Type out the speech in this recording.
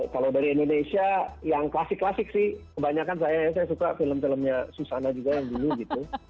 kalau dari indonesia yang klasik klasik sih kebanyakan saya suka film filmnya susana juga yang dulu gitu